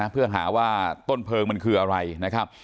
เพื่อหาว่าต้นเพลิงมันคืออะไรนะครับ